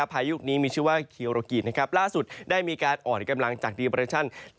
พายุนี้มีชื่อว่าคีโรกีนะครับล่าสุดได้มีการอ่อนกำลังจากดีเปรชั่น